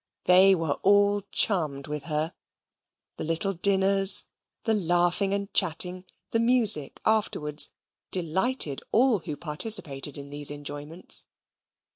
These were all charmed with her. The little dinners, the laughing and chatting, the music afterwards, delighted all who participated in these enjoyments.